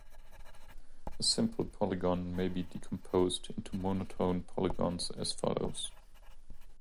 A simple polygon may be decomposed into monotone polygons as follows.